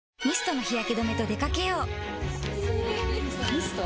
ミスト？